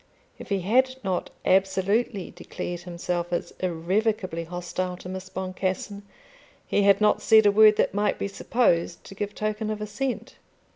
If he had not absolutely declared himself as irrevocably hostile to Miss Boncassen he had not said a word that might be supposed to give token of assent.